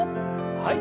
はい。